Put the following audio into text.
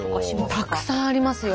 たくさんありますよ。